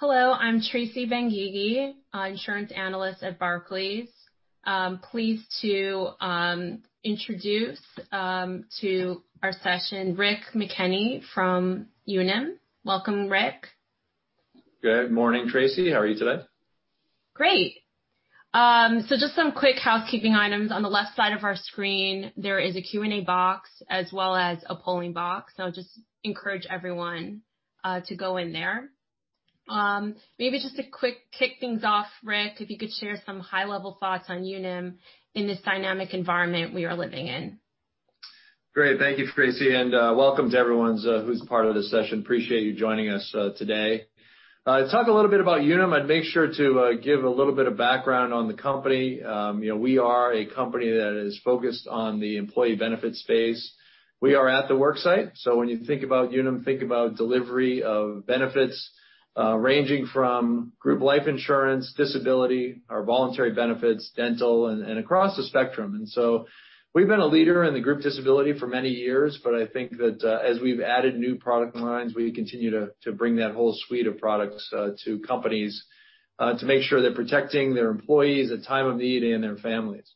Hello, I'm Tracy Benguigui, Insurance Analyst at Barclays. Pleased to introduce to our session Rick McKenney from Unum. Welcome, Rick. Good morning, Tracy. How are you today? Great. Just some quick housekeeping items. On the left side of our screen, there is a Q&A box as well as a polling box, so just encourage everyone to go in there. Maybe just to quick kick things off, Rick, if you could share some high level thoughts on Unum in this dynamic environment we are living in. Great. Thank you, Tracy, and welcome to everyone who's part of this session. Appreciate you joining us today. Talk a little bit about Unum. I'd make sure to give a little bit of background on the company. We are a company that is focused on the employee benefit space. We are at the work site, so when you think about Unum, think about delivery of benefits, ranging from group life insurance, disability, our voluntary benefits, dental, and across the spectrum. We've been a leader in the group disability for many years, but I think that as we've added new product lines, we continue to bring that whole suite of products to companies, to make sure they're protecting their employees at time of need and their families.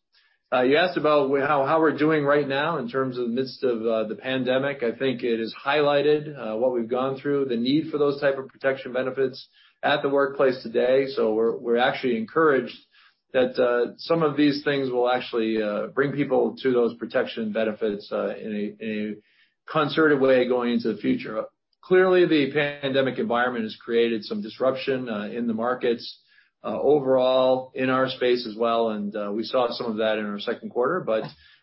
You asked about how we're doing right now in terms of the midst of the pandemic. I think it has highlighted what we've gone through, the need for those type of protection benefits at the workplace today. We're actually encouraged that some of these things will actually bring people to those protection benefits in a concerted way going into the future. Clearly, the pandemic environment has created some disruption in the markets overall in our space as well, and we saw some of that in our second quarter.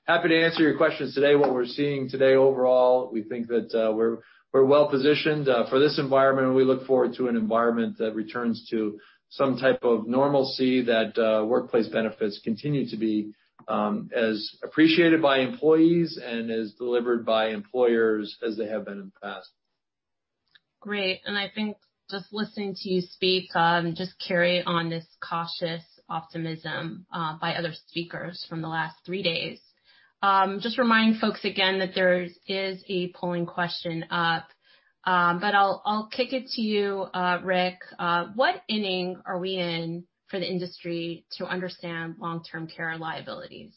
Happy to answer your questions today. What we're seeing today overall, we think that we're well-positioned for this environment, and we look forward to an environment that returns to some type of normalcy that workplace benefits continue to be as appreciated by employees and as delivered by employers as they have been in the past. Great. I think just listening to you speak, just carry on this cautious optimism by other speakers from the last three days. Just remind folks again that there is a polling question up. I'll kick it to you, Rick. What inning are we in for the industry to understand long-term care liabilities?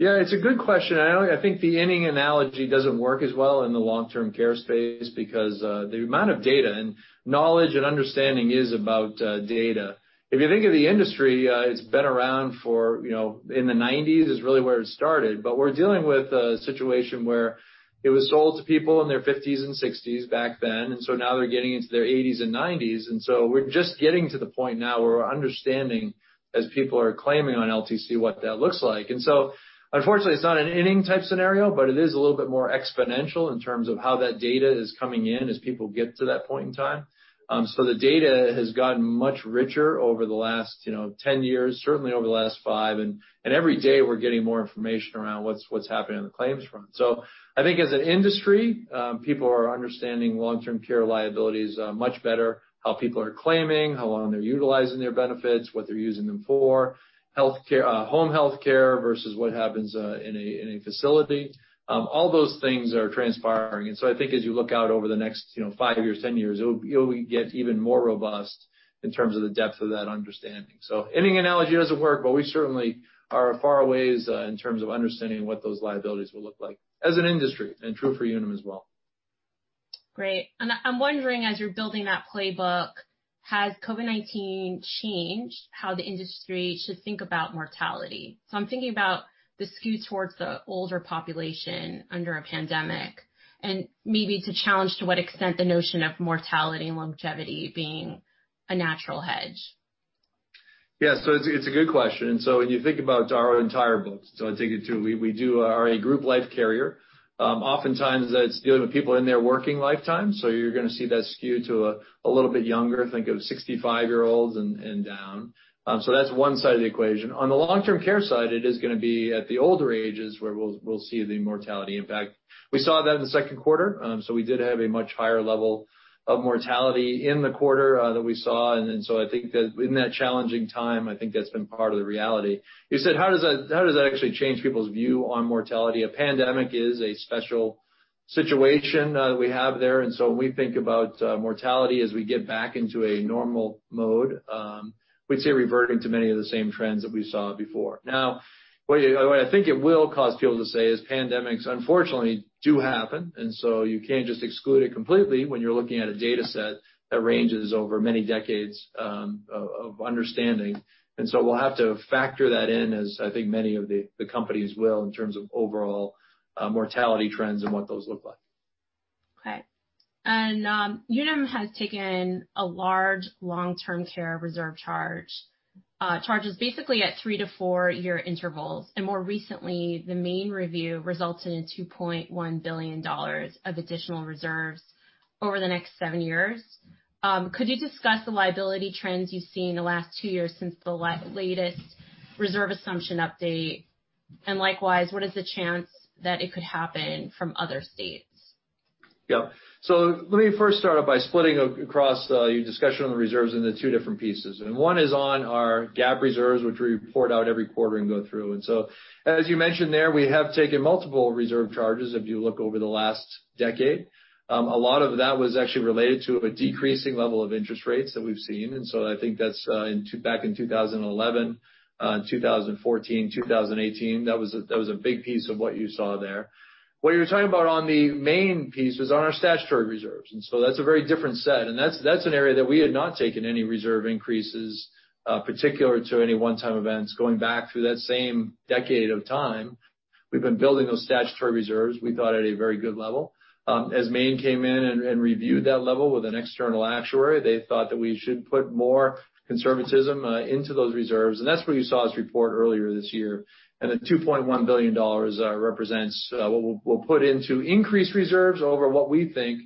Yeah, it's a good question. I think the inning analogy doesn't work as well in the long-term care space because the amount of data, and knowledge and understanding is about data. If you think of the industry, it's been around in the '90s is really where it started. We're dealing with a situation where it was sold to people in their 50s and 60s back then, and so now they're getting into their 80s and 90s. We're just getting to the point now where we're understanding, as people are claiming on LTC, what that looks like. Unfortunately, it's not an inning type scenario, but it is a little bit more exponential in terms of how that data is coming in as people get to that point in time. The data has gotten much richer over the last 10 years, certainly over the last five, and every day we're getting more information around what's happening on the claims front. I think as an industry, people are understanding long-term care liabilities much better, how people are claiming, how long they're utilizing their benefits, what they're using them for. Home healthcare versus what happens in a facility. All those things are transpiring, I think as you look out over the next five years, 10 years, it'll get even more robust in terms of the depth of that understanding. Inning analogy doesn't work, but we certainly are a far ways in terms of understanding what those liabilities will look like as an industry, and true for Unum as well. Great. I'm wondering, as you're building that playbook, has COVID-19 changed how the industry should think about mortality? I'm thinking about the skew towards the older population under a pandemic, and maybe to challenge to what extent the notion of mortality and longevity being a natural hedge. Yeah, it's a good question. When you think about our entire book, I take it to, we are a group life carrier. Oftentimes it's dealing with people in their working lifetime, you're going to see that skew to a little bit younger, think of 65-year-olds and down. That's one side of the equation. On the Long-Term Care side, it is going to be at the older ages where we'll see the mortality. In fact, we saw that in the second quarter. We did have a much higher level of mortality in the quarter that we saw, I think that in that challenging time, I think that's been part of the reality. You said, how does that actually change people's view on mortality? A pandemic is a special situation that we have there. When we think about mortality as we get back into a normal mode, we'd say reverting to many of the same trends that we saw before. The way I think it will cause people to say is pandemics, unfortunately, do happen, you can't just exclude it completely when you're looking at a data set that ranges over many decades of understanding. We'll have to factor that in, as I think many of the companies will, in terms of overall mortality trends and what those look like. Okay. Unum has taken a large Long-Term Care reserve charge. Charges basically at 3 to 4-year intervals, and more recently, the Maine review resulted in $2.1 billion of additional reserves over the next seven years. Could you discuss the liability trends you've seen in the last two years since the latest reserve assumption update, and likewise, what is the chance that it could happen from other states? Yeah. Let me first start out by splitting across your discussion on the reserves into two different pieces. One is on our GAAP reserves, which we report out every quarter and go through. As you mentioned there, we have taken multiple reserve charges if you look over the last decade. A lot of that was actually related to a decreasing level of interest rates that we've seen. I think that's back in 2011, 2014, 2018, that was a big piece of what you saw there. What you're talking about on the Maine piece was on our statutory reserves, and so that's a very different set, and that's an area that we had not taken any reserve increases particular to any one-time events going back through that same decade of time. We've been building those statutory reserves, we thought, at a very good level. As Maine came in and reviewed that level with an external actuary, they thought that we should put more conservatism into those reserves. That's where you saw us report earlier this year. The $2.1 billion represents what we'll put into increased reserves over what we think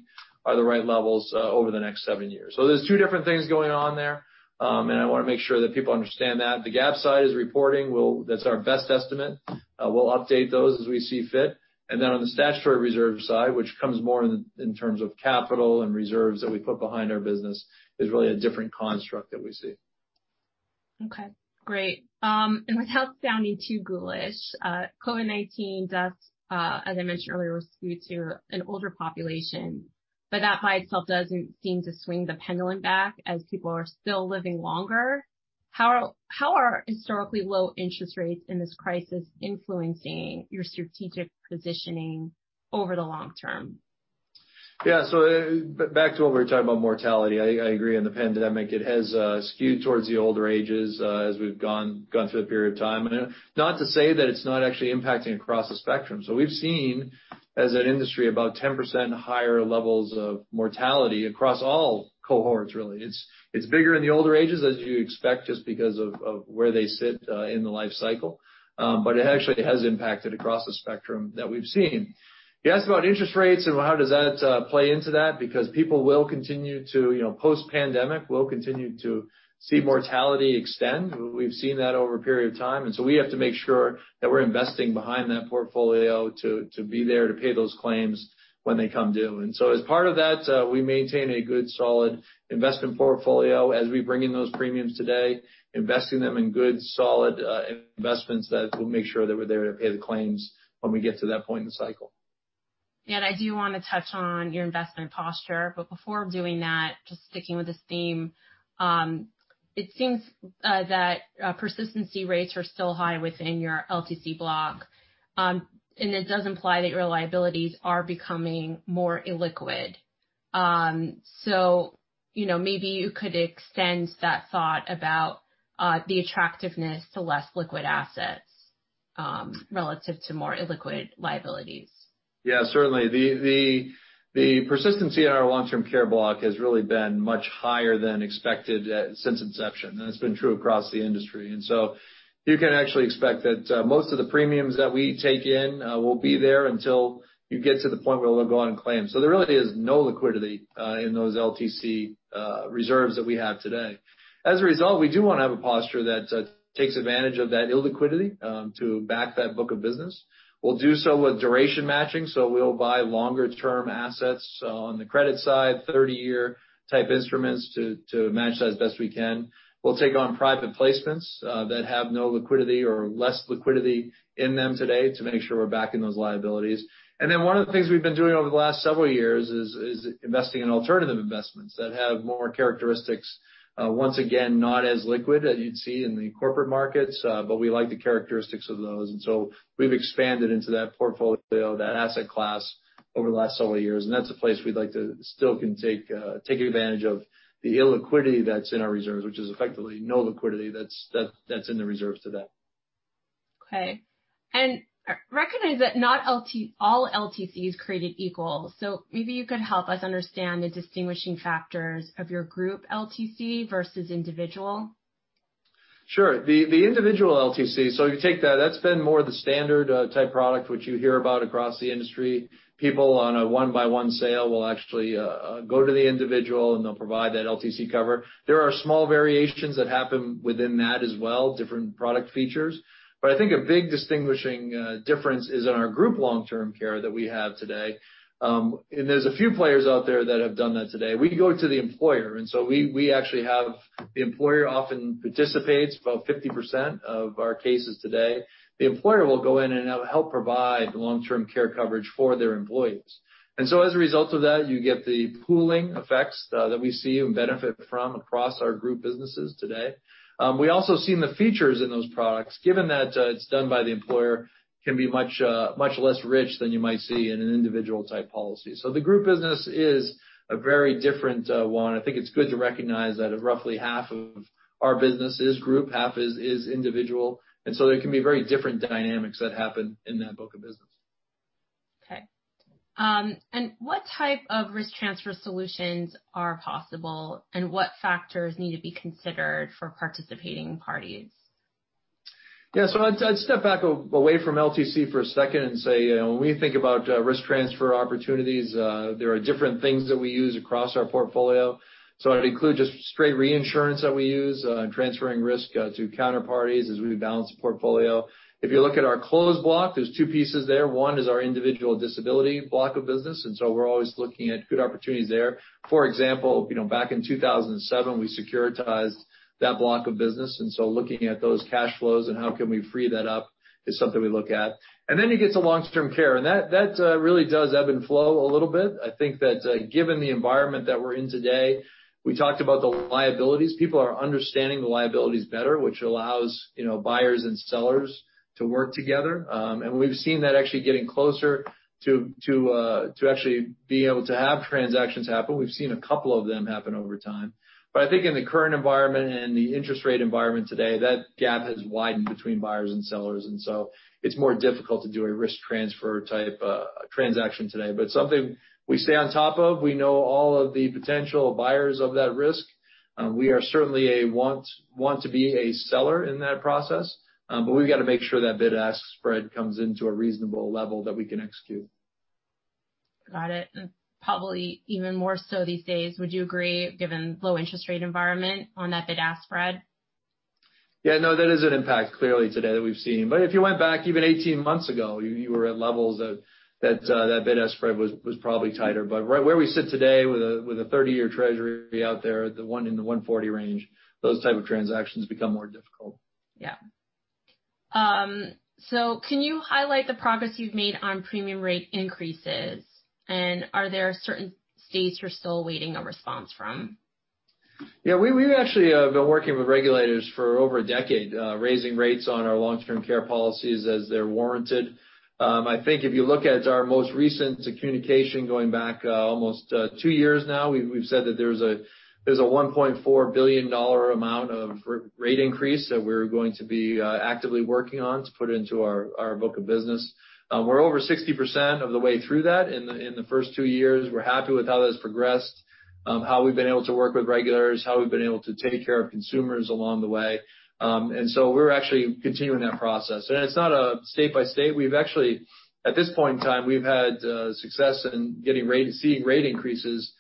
are the right levels over the next seven years. There's two different things going on there, and I want to make sure that people understand that. The GAAP side is reporting, that's our best estimate. We'll update those as we see fit. On the statutory reserve side, which comes more in terms of capital and reserves that we put behind our business, is really a different construct that we see. Okay, great. Without sounding too ghoulish, COVID-19 deaths, as I mentioned earlier, were skewed to an older population, but that by itself doesn't seem to swing the pendulum back as people are still living longer. How are historically low interest rates in this crisis influencing your strategic positioning over the long term? Yeah. Back to what we were talking about mortality, I agree on the pandemic. It has skewed towards the older ages as we've gone through the period of time. Not to say that it's not actually impacting across the spectrum. We've seen, as an industry, about 10% higher levels of mortality across all cohorts really. It's bigger in the older ages as you'd expect, just because of where they sit in the life cycle. It actually has impacted across the spectrum that we've seen. You asked about interest rates and how does that play into that, because people will continue to, post-pandemic, we'll continue to see mortality extend. We've seen that over a period of time, and so we have to make sure that we're investing behind that portfolio to be there to pay those claims when they come due. As part of that, we maintain a good solid investment portfolio as we bring in those premiums today, investing them in good solid investments that will make sure that we're there to pay the claims when we get to that point in the cycle. I do want to touch on your investment posture, but before doing that, just sticking with this theme, it seems that persistency rates are still high within your LTC block. It does imply that your liabilities are becoming more illiquid. Maybe you could extend that thought about the attractiveness to less liquid assets relative to more illiquid liabilities. Yeah, certainly. The persistency in our long-term care block has really been much higher than expected since inception, it's been true across the industry. You can actually expect that most of the premiums that we take in will be there until you get to the point where we'll go out and claim. There really is no liquidity in those LTC reserves that we have today. As a result, we do want to have a posture that takes advantage of that illiquidity to back that book of business. We'll do so with duration matching, so we'll buy longer term assets on the credit side, 30-year type instruments to match that as best we can. We'll take on private placements that have no liquidity or less liquidity in them today to make sure we're backing those liabilities. One of the things we've been doing over the last several years is investing in alternative investments that have more characteristics, once again, not as liquid as you'd see in the corporate markets, but we like the characteristics of those. We've expanded into that portfolio, that asset class over the last several years, and that's a place we'd like to still can take advantage of the illiquidity that's in our reserves, which is effectively no liquidity that's in the reserves today. I recognize that not all LTC is created equal. Maybe you could help us understand the distinguishing factors of your group LTC versus individual? Sure. If you take that's been more the standard type product which you hear about across the industry. People on a one-by-one sale will actually go to the individual, and they'll provide that LTC cover. There are small variations that happen within that as well, different product features. I think a big distinguishing difference is in our Group Long-Term Care that we have today. There's a few players out there that have done that today. We go to the employer. We actually have the employer often participates, about 50% of our cases today. The employer will go in and help provide the long-term care coverage for their employees. As a result of that, you get the pooling effects that we see and benefit from across our group businesses today. We also have seen the features in those products, given that it's done by the employer, can be much less rich than you might see in an individual type policy. The group business is a very different one. I think it's good to recognize that roughly half of our business is group, half is individual. There can be very different dynamics that happen in that book of business. Okay. What type of risk transfer solutions are possible, and what factors need to be considered for participating parties? Yeah. I'd step back away from LTC for a second and say, when we think about risk transfer opportunities, there are different things that we use across our portfolio. It includes just straight reinsurance that we use, transferring risk to counterparties as we balance the portfolio. If you look at our closed block, there's two pieces there. One is our individual disability block of business, and so we're always looking at good opportunities there. For example, back in 2007, we securitized that block of business, and so looking at those cash flows and how can we free that up is something we look at. You get to long-term care, and that really does ebb and flow a little bit. I think that given the environment that we're in today, we talked about the liabilities. People are understanding the liabilities better, which allows buyers and sellers to work together. We've seen that actually getting closer to actually being able to have transactions happen. We've seen a couple of them happen over time. I think in the current environment and the interest rate environment today, that gap has widened between buyers and sellers, and so it's more difficult to do a risk transfer type transaction today. Something we stay on top of, we know all of the potential buyers of that risk. We are certainly want to be a seller in that process. We've got to make sure that bid-ask spread comes into a reasonable level that we can execute. Got it. Probably even more so these days, would you agree, given low interest rate environment on that bid-ask spread? Yeah. No, that is an impact clearly today that we've seen. If you went back even 18 months ago, you were at levels that that bid-ask spread was probably tighter. Right where we sit today with a 30-year Treasury out there, the one in the 140 range, those type of transactions become more difficult. Yeah. Can you highlight the progress you've made on premium rate increases? Are there certain states you're still awaiting a response from? Yeah, we've actually been working with regulators for over a decade, raising rates on our long-term care policies as they're warranted. I think if you look at our most recent communication going back almost two years now, we've said that there's a $1.4 billion amount of rate increase that we're going to be actively working on to put into our book of business. We're over 60% of the way through that in the first two years. We're happy with how that's progressed, how we've been able to work with regulators, how we've been able to take care of consumers along the way. We're actually continuing that process. It's not a state-by-state. At this point in time, we've had success in seeing rate increases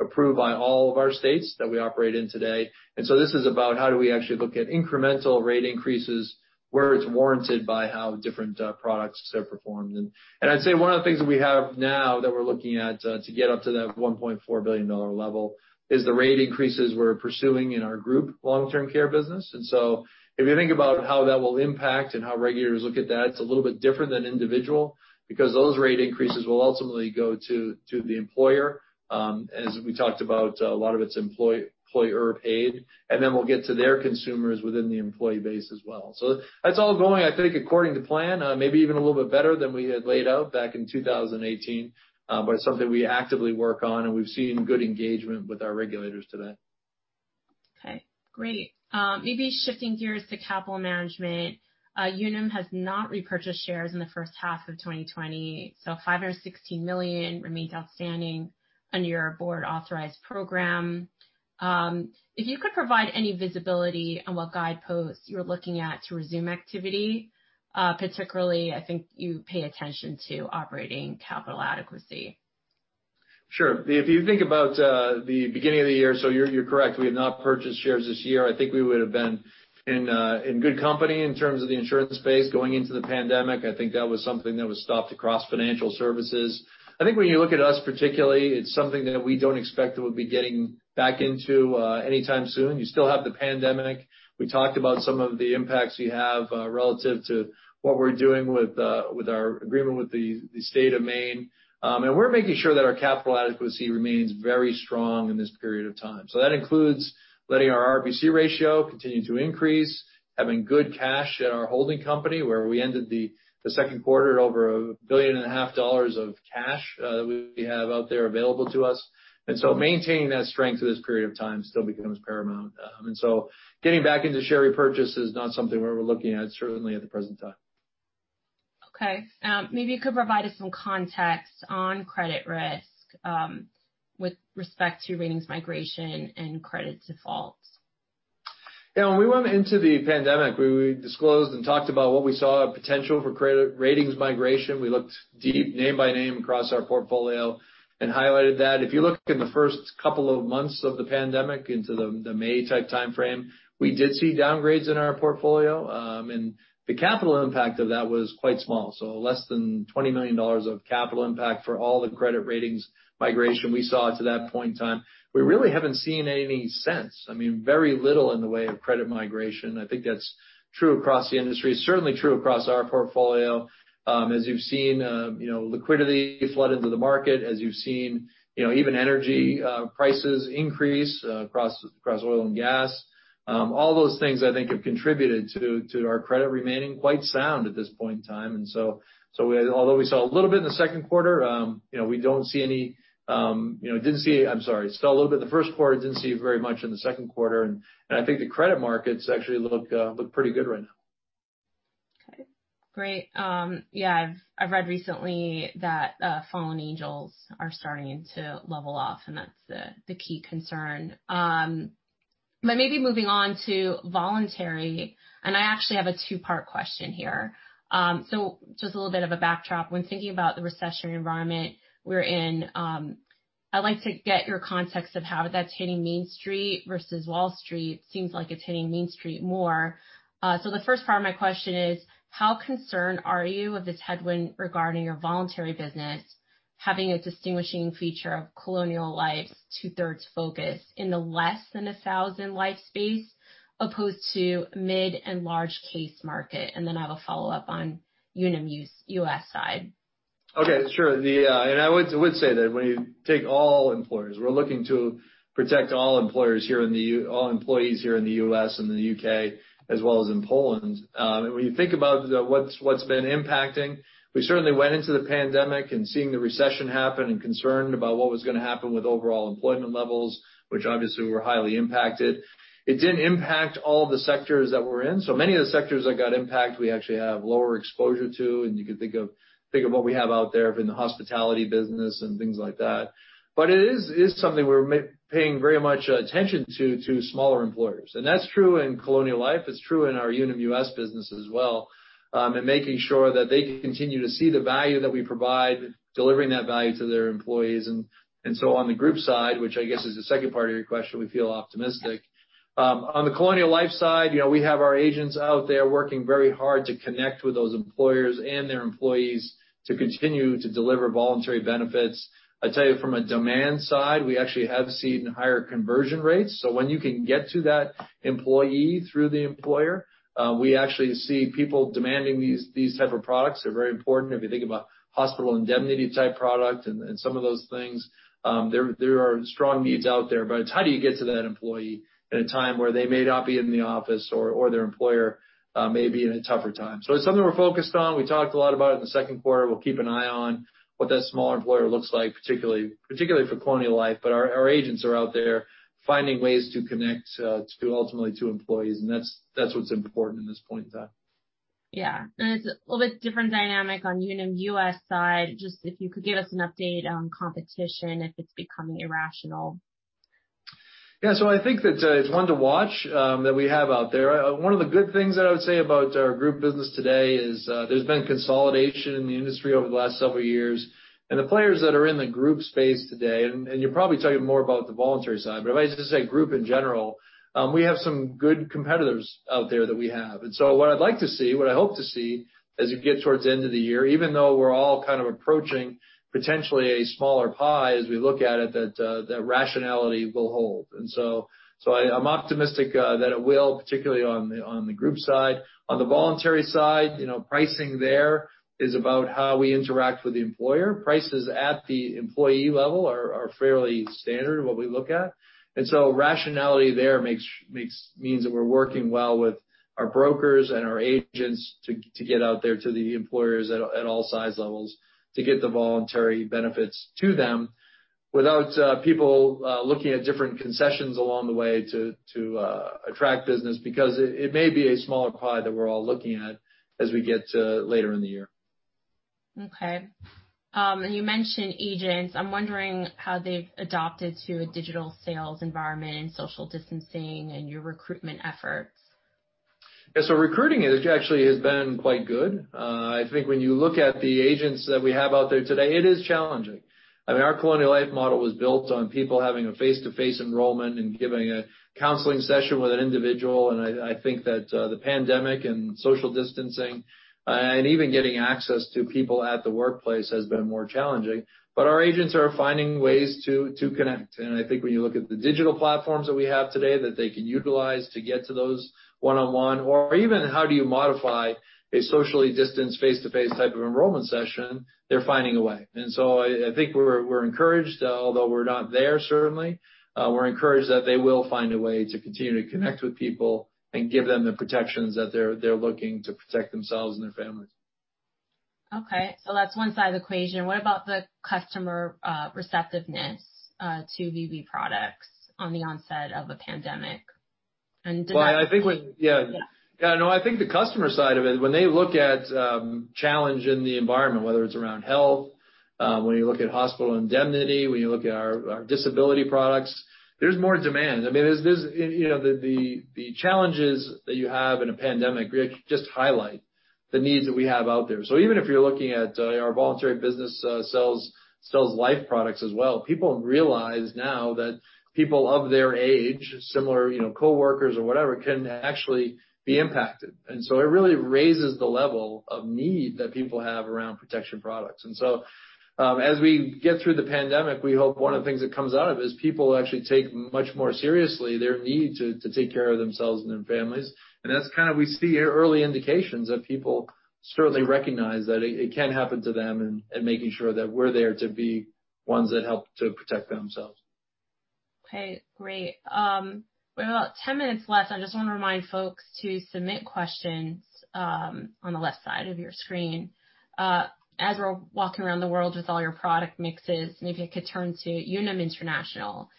approved by all of our states that we operate in today. This is about how do we actually look at incremental rate increases where it's warranted by how different products have performed. I'd say one of the things that we have now that we're looking at to get up to that $1.4 billion level is the rate increases we're pursuing in our Group Long-Term Care business. If you think about how that will impact and how regulators look at that, it's a little bit different than individual, because those rate increases will ultimately go to the employer. As we talked about, a lot of it's employer-paid, and then we'll get to their consumers within the employee base as well. That's all going, I think, according to plan, maybe even a little bit better than we had laid out back in 2018. It's something we actively work on, and we've seen good engagement with our regulators to that. Okay, great. Maybe shifting gears to capital management. Unum has not repurchased shares in the first half of 2020, $516 million remains outstanding under your board-authorized program. If you could provide any visibility on what guideposts you're looking at to resume activity, particularly, I think you pay attention to operating capital adequacy. Sure. If you think about the beginning of the year, you're correct. We have not purchased shares this year. I think we would have been in good company in terms of the insurance space going into the pandemic. I think that was something that was stopped across financial services. I think when you look at us particularly, it's something that we don't expect that we'll be getting back into anytime soon. You still have the pandemic. We talked about some of the impacts we have relative to what we're doing with our agreement with the state of Maine. We're making sure that our capital adequacy remains very strong in this period of time. That includes letting our RBC ratio continue to increase, having good cash in our holding company, where we ended the second quarter at over a billion and a half dollars of cash that we have out there available to us. Maintaining that strength through this period of time still becomes paramount. Getting back into share repurchase is not something we're looking at, certainly at the present time. Okay. Maybe you could provide us some context on credit risk, with respect to ratings migration and credit defaults. Yeah. When we went into the pandemic, we disclosed and talked about what we saw a potential for credit ratings migration. We looked deep name by name across our portfolio and highlighted that. If you look in the first couple of months of the pandemic into the May-type timeframe, we did see downgrades in our portfolio, and the capital impact of that was quite small. Less than $20 million of capital impact for all the credit ratings migration we saw to that point in time. We really haven't seen any since. I mean, very little in the way of credit migration. I think that's true across the industry, certainly true across our portfolio. As you've seen, liquidity flood into the market, as you've seen even energy prices increase across oil and gas. All those things I think have contributed to our credit remaining quite sound at this point in time. Although we saw a little bit in the second quarter, I'm sorry, saw a little bit in the first quarter, didn't see very much in the second quarter, and I think the credit markets actually look pretty good right now. Great. Yeah, I've read recently that fallen angels are starting to level off, and that's the key concern. Maybe moving on to voluntary, I actually have a 2-part question here. Just a little bit of a backdrop. When thinking about the recessionary environment we're in, I'd like to get your context of how that's hitting Main Street versus Wall Street. Seems like it's hitting Main Street more. The first part of my question is, how concerned are you of this headwind regarding your voluntary business having a distinguishing feature of Colonial Life's two-thirds focus in the less than 1,000 life space as opposed to mid and large case market? I have a follow-up on Unum US side. Okay, sure. I would say that when you take all employers, we're looking to protect all employees here in the U.S. and the U.K. as well as in Poland. When you think about what's been impacting, we certainly went into the pandemic and seeing the recession happen and concerned about what was going to happen with overall employment levels, which obviously were highly impacted. It didn't impact all the sectors that we're in. Many of the sectors that got impact, we actually have lower exposure to, you can think of what we have out there in the hospitality business and things like that. It is something we're paying very much attention to smaller employers. That's true in Colonial Life. It's true in our Unum US business as well, making sure that they continue to see the value that we provide, delivering that value to their employees. On the group side, which I guess is the second part of your question, we feel optimistic. On the Colonial Life side, we have our agents out there working very hard to connect with those employers and their employees to continue to deliver voluntary benefits. I tell you from a demand side, we actually have seen higher conversion rates. When you can get to that employee through the employer, we actually see people demanding these type of products. They're very important if you think about Hospital Indemnity type product and some of those things. There are strong needs out there, but it's how do you get to that employee at a time where they may not be in the office or their employer may be in a tougher time. It's something we're focused on. We talked a lot about it in the second quarter. We'll keep an eye on what that small employer looks like, particularly for Colonial Life. Our agents are out there finding ways to connect ultimately to employees, and that's what's important in this point in time. Yeah. It's a little bit different dynamic on Unum US side. Just if you could give us an update on competition, if it's becoming irrational. Yeah. I think that it's one to watch that we have out there. One of the good things that I would say about our group business today is there's been consolidation in the industry over the last several years, the players that are in the group space today, and you're probably talking more about the voluntary side, but if I just say group in general, we have some good competitors out there that we have. What I'd like to see, what I hope to see as you get towards the end of the year, even though we're all kind of approaching potentially a smaller pie as we look at it, that rationality will hold. I'm optimistic that it will, particularly on the group side. On the voluntary side, pricing there is about how we interact with the employer. Prices at the employee level are fairly standard of what we look at. Rationality there means that we're working well with our brokers and our agents to get out there to the employers at all size levels to get the voluntary benefits to them without people looking at different concessions along the way to attract business, because it may be a smaller pie that we're all looking at as we get to later in the year. Okay. You mentioned agents. I'm wondering how they've adapted to a digital sales environment and social distancing and your recruitment efforts. Yeah. Recruiting actually has been quite good. I think when you look at the agents that we have out there today, it is challenging. Our Colonial Life model was built on people having a face-to-face enrollment and giving a counseling session with an individual. I think that the pandemic and social distancing, and even getting access to people at the workplace has been more challenging. Our agents are finding ways to connect. I think when you look at the digital platforms that we have today that they can utilize to get to those one-on-one or even how do you modify a socially distanced face-to-face type of enrollment session, they're finding a way. I think we're encouraged, although we're not there, certainly. We're encouraged that they will find a way to continue to connect with people and give them the protections that they're looking to protect themselves and their families. Okay, that's one side of the equation. What about the customer receptiveness to voluntary products on the onset of a pandemic? Well, I think Yeah. Yeah. No, I think the customer side of it, when they look at challenge in the environment, whether it's around health, when you look at Hospital Indemnity, when you look at our disability products, there's more demand. The challenges that you have in a pandemic just highlight the needs that we have out there. Even if you're looking at our voluntary business sells life products as well. People realize now that people of their age, similar coworkers or whatever, can actually be impacted. It really raises the level of need that people have around protection products. As we get through the pandemic, we hope one of the things that comes out of it is people will actually take much more seriously their need to take care of themselves and their families. That's kind of, we see early indications that people certainly recognize that it can happen to them and making sure that we're there to be ones that help to protect themselves. Okay, great. We have about 10 minutes left. I just want to remind folks to submit questions on the left side of your screen. As we're walking around the world with all your product mixes, maybe I could turn to Unum International.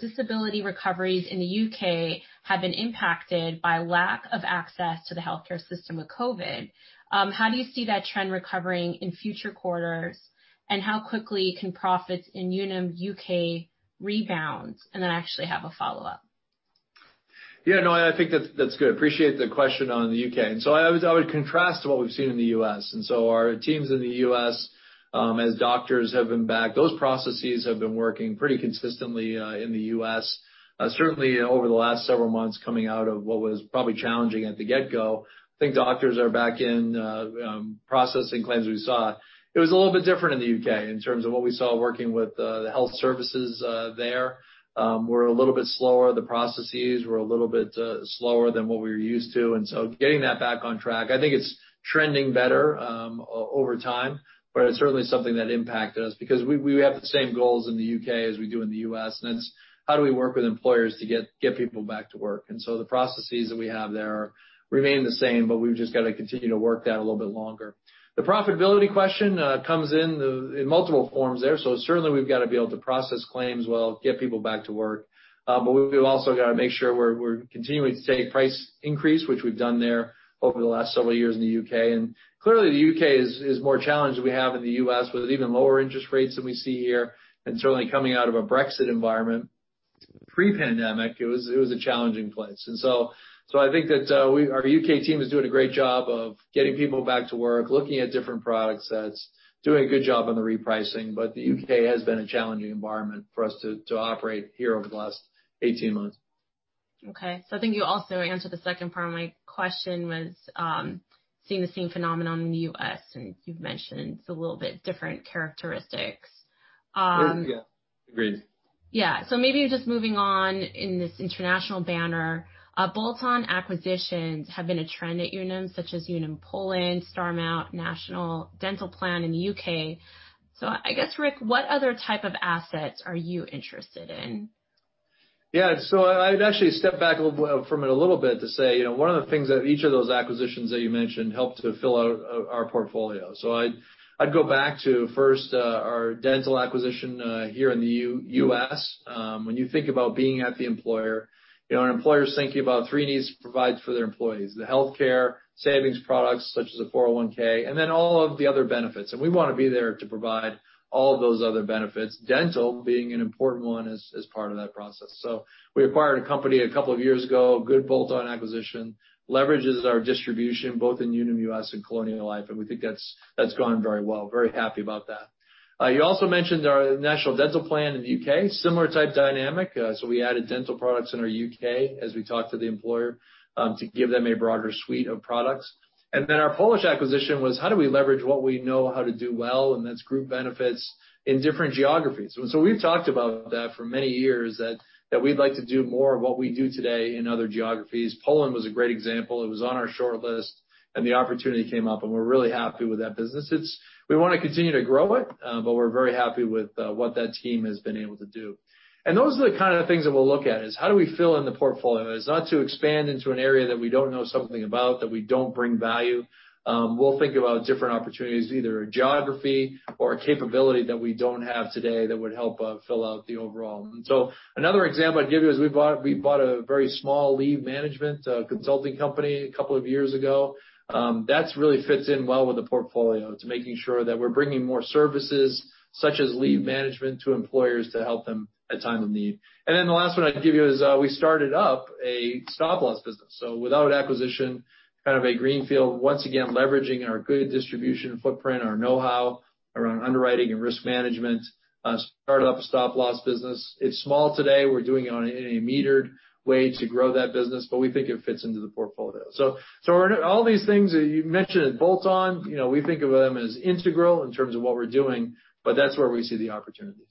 Disability recoveries in the U.K. have been impacted by lack of access to the healthcare system with COVID-19. How do you see that trend recovering in future quarters, and how quickly can profits in Unum U.K. rebound? I actually have a follow-up. Yeah, no, I think that's good. Appreciate the question on the U.K. I would contrast what we've seen in the U.S. Our teams in the U.S., as doctors have been back, those processes have been working pretty consistently in the U.S. Certainly over the last several months coming out of what was probably challenging at the get-go, I think doctors are back in processing claims we saw. It was a little bit different in the U.K. in terms of what we saw working with the health services there. They were a little bit slower. The processes were a little bit slower than what we were used to, getting that back on track. I think it's trending better over time, but it's certainly something that impacted us because we have the same goals in the U.K. as we do in the U.S., and it's how do we work with employers to get people back to work? The processes that we have there remain the same, but we've just got to continue to work that a little bit longer. The profitability question comes in in multiple forms there. Certainly we've got to be able to process claims well, get people back to work. We've also got to make sure we're continuing to take price increase, which we've done there over the last several years in the U.K. Clearly the U.K. is more challenged than we have in the U.S., with even lower interest rates than we see here, and certainly coming out of a Brexit environment. Pre-pandemic, it was a challenging place. I think that our U.K. team is doing a great job of getting people back to work, looking at different product sets, doing a good job on the repricing. The U.K. has been a challenging environment for us to operate here over the last 18 months. Okay. I think you also answered the second part of my question was seeing the same phenomenon in the U.S., you've mentioned it's a little bit different characteristics. Yeah. Agreed. Yeah. Maybe just moving on in this international banner. Bolt-on acquisitions have been a trend at Unum such as Unum Poland, Starmount, National Dental Plan in the U.K. I guess, Rick, what other type of assets are you interested in? Yeah. I'd actually step back from it a little bit to say one of the things that each of those acquisitions that you mentioned helped to fill out our portfolio. I'd go back to first our dental acquisition here in the U.S. When you think about being at the employer, our employer's thinking about three needs to provide for their employees, the healthcare, savings products such as a 401(k), then all of the other benefits. We want to be there to provide all of those other benefits, dental being an important one as part of that process. We acquired a company a couple of years ago, good bolt-on acquisition, leverages our distribution both in Unum US and Colonial Life, we think that's gone very well. Very happy about that. You also mentioned our National Dental Plan in the U.K., similar type dynamic. We added dental products in our U.K. as we talked to the employer, to give them a broader suite of products. Our Polish acquisition was how do we leverage what we know how to do well, and that's group benefits in different geographies. We've talked about that for many years that we'd like to do more of what we do today in other geographies. Poland was a great example. It was on our shortlist, and the opportunity came up, and we're really happy with that business. We want to continue to grow it, but we're very happy with what that team has been able to do. Those are the kind of things that we'll look at, is how do we fill in the portfolio? It's not to expand into an area that we don't know something about, that we don't bring value. We'll think about different opportunities, either a geography or a capability that we don't have today that would help fill out the overall. Another example I'd give you is we bought a very small leave management consulting company a couple of years ago. That really fits in well with the portfolio to making sure that we're bringing more services such as Leave Management to employers to help them at time of need. The last one I'd give is we started up a Stop Loss business. Without acquisition, kind of a greenfield, once again, leveraging our good distribution footprint, our knowhow around underwriting and risk management, started up a Stop Loss business. It's small today. We're doing it in a metered way to grow that business, but we think it fits into the portfolio. All these things that you mentioned, bolt-on, we think of them as integral in terms of what we're doing, but that's where we see the opportunities.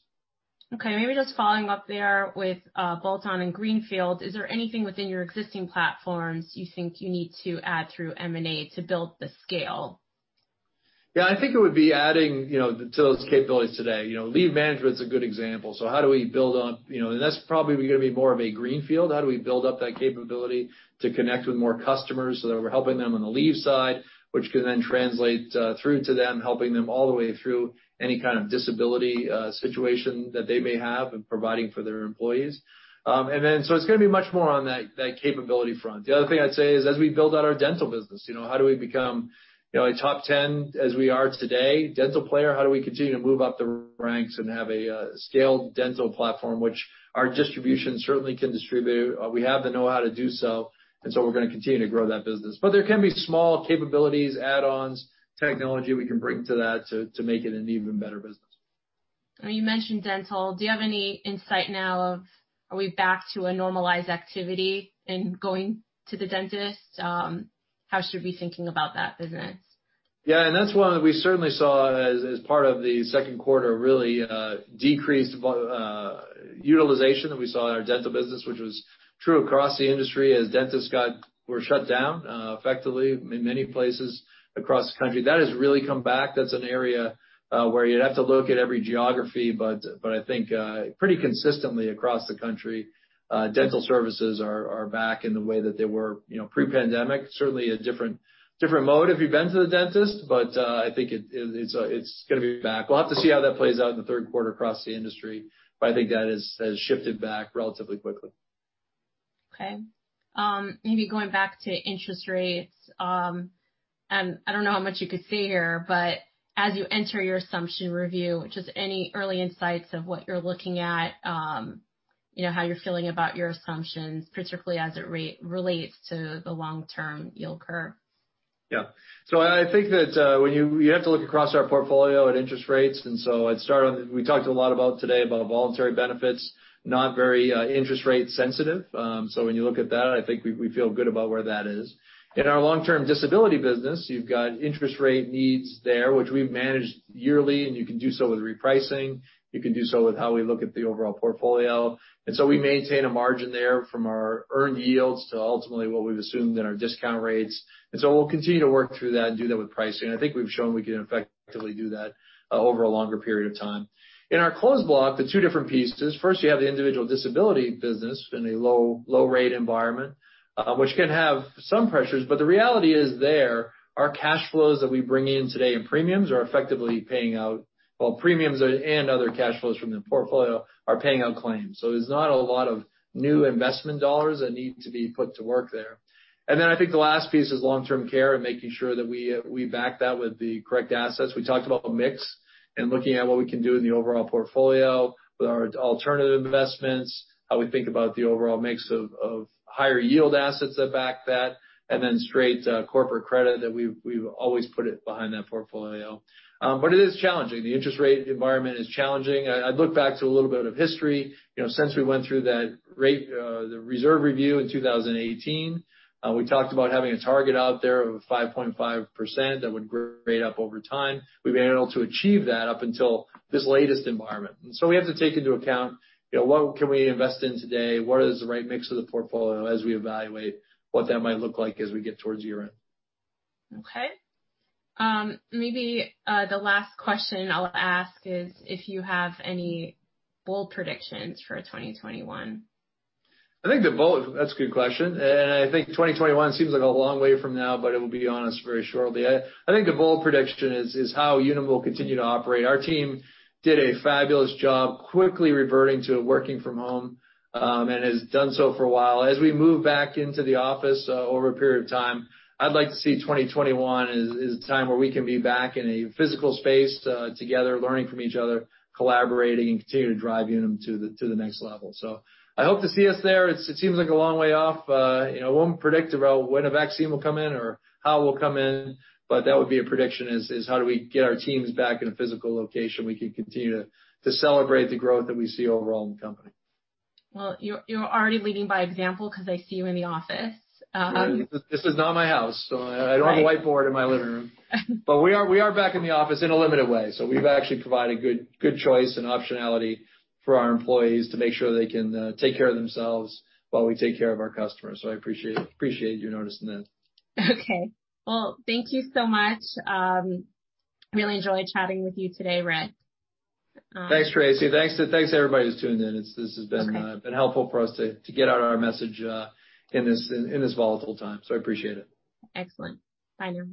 Okay, maybe just following up there with bolt-on and greenfield, is there anything within your existing platforms you think you need to add through M&A to build the scale? Yeah, I think it would be adding to those capabilities today. Leave Management's a good example. That's probably going to be more of a greenfield. How do we build up that capability to connect with more customers so that we're helping them on the leave side, which can then translate through to them, helping them all the way through any kind of disability situation that they may have and providing for their employees? It's going to be much more on that capability front. The other thing I'd say is as we build out our dental business, how do we become a top 10, as we are today, dental player? How do we continue to move up the ranks and have a scaled dental platform, which our distribution certainly can distribute? We have the knowhow to do so, we're going to continue to grow that business. There can be small capabilities, add-ons, technology we can bring to that to make it an even better business. You mentioned dental. Do you have any insight now of are we back to a normalized activity in going to the dentist? How should we thinking about that business? Yeah. That's one we certainly saw as part of the second quarter, really decreased utilization that we saw in our dental business, which was true across the industry as dentists were shut down effectively in many places across the country. That has really come back. That's an area where you'd have to look at every geography, I think pretty consistently across the country, dental services are back in the way that they were pre-pandemic. Certainly, a different mode if you've been to the dentist, I think it's going to be back. We'll have to see how that plays out in the third quarter across the industry. I think that has shifted back relatively quickly. Okay. Maybe going back to interest rates. I don't know how much you could see here, but as you enter your assumption review, just any early insights of what you're looking at, how you're feeling about your assumptions, particularly as it relates to the long-term yield curve. Yeah. I think that you have to look across our portfolio at interest rates. I'd start on We talked a lot about today about voluntary benefits, not very interest rate sensitive. When you look at that, I think we feel good about where that is. In our long-term disability business, you've got interest rate needs there, which we've managed yearly, and you can do so with repricing. You can do so with how we look at the overall portfolio. We maintain a margin there from our earned yields to ultimately what we've assumed in our discount rates. We'll continue to work through that and do that with pricing. I think we've shown we can effectively do that over a longer period of time. In our closed block, the two different pieces. First, you have the individual disability business in a low rate environment, which can have some pressures, but the reality is there are cash flows that we bring in today in premiums and other cash flows from the portfolio are paying out claims. There's not a lot of new investment dollars that need to be put to work there. I think the last piece is Long-Term Care and making sure that we back that with the correct assets. We talked about mix and looking at what we can do in the overall portfolio with our alternative investments, how we think about the overall mix of higher yield assets that back that, and then straight corporate credit that we've always put it behind that portfolio. It is challenging. The interest rate environment is challenging. I'd look back to a little bit of history. Since we went through the reserve review in 2018, we talked about having a target out there of 5.5% that would grade up over time. We've been able to achieve that up until this latest environment. We have to take into account what can we invest in today, what is the right mix of the portfolio as we evaluate what that might look like as we get towards year-end. Okay. Maybe the last question I'll ask is if you have any bold predictions for 2021. That's a good question, I think 2021 seems like a long way from now, but it'll be on us very shortly. I think the bold prediction is how Unum will continue to operate. Our team did a fabulous job quickly reverting to working from home, and has done so for a while. As we move back into the office over a period of time, I'd like to see 2021 as a time where we can be back in a physical space together, learning from each other, collaborating, and continue to drive Unum to the next level. I hope to see us there. It seems like a long way off. I won't predict about when a vaccine will come in or how it will come in, but that would be a prediction is how do we get our teams back in a physical location we could continue to celebrate the growth that we see overall in the company. Well, you're already leading by example because I see you in the office. This is not my house, I don't have a whiteboard in my living room. We are back in the office in a limited way. We've actually provided good choice and optionality for our employees to make sure they can take care of themselves while we take care of our customers. I appreciate you noticing that. Well, thank you so much. Really enjoyed chatting with you today, Rick. Thanks, Tracy. Thanks to everybody who's tuned in. This has been helpful for us to get out our message in this volatile time. I appreciate it. Excellent. Bye now.